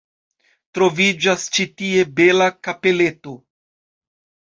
Troviĝas ĉi tie bela kapeleto.